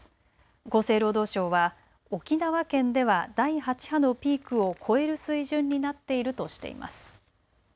厚生労働省は沖縄県では第８波のピークを超える水準になっているとしています。